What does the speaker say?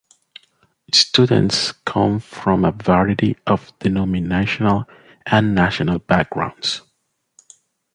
Students come from a variety of denominational and national backgrounds.